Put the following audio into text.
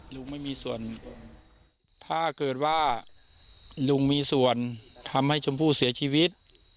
ลุงไม่มีส่วนถ้าเกิดว่าลุงมีส่วนทำให้ชมพู่เสียชีวิต